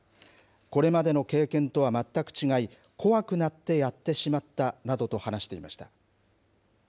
これまでの経験とは全く違い、怖くなってやってしまったなどと話していました。